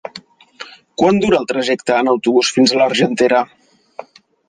Quant dura el trajecte en autobús fins a l'Argentera?